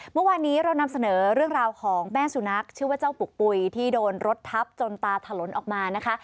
เมื่อวานนี้เรานำเสนอเรื่องราวของแม่สุนัขชื่อว่าเจ้าปุกปุ๋ยที่โดนรถทับจนตาถลนออกมานะคะ